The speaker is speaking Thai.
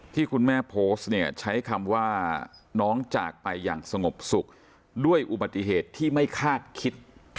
ที่คุณแม่โพสต์เนี่ยใช้คำว่าน้องจากไปอย่างสงบสุขด้วยอุบัติเหตุที่ไม่คาดคิด